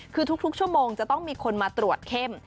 คือทุกชั่วโมงจะต้องมีคนมาตรวจเข้ม